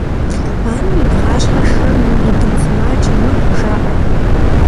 Анэм и бгъащхьэр шхэмэ, и бын сымаджэ мэхъу, жаӏэрт.